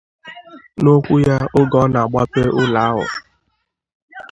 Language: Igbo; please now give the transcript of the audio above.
N'okwu ya oge ọ na-agbape ụlọ ahụ